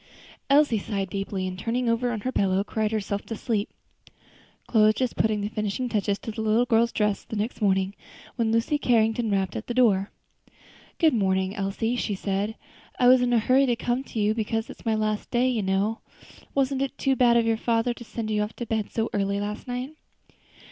Elsie sighed deeply, and turning over on her pillow, cried herself to sleep. Chloe was just putting the finishing touches to the little girl's dress the next morning, when Lucy Carrington rapped at the door. "Good morning, Elsie," she said; "I was in a hurry to come to you, because it is my last day, you know. Wasn't it too bad of your father to send you off to bed so early last night?"